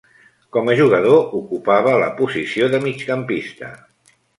Com a jugador ocupava la posició de migcampista.